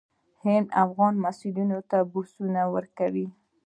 هند افغان محصلینو ته بورسونه ورکوي.